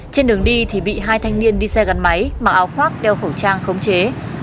trên đường đi thì bị hai thanh niên đi xe gắn máy mặc áo khoác đeo khẩu trang khống chế